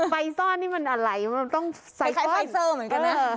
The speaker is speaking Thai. ไฟซ่อนนี่มันอะไรมันต้องใส่คล้ายไฟเซอร์เหมือนกันนะ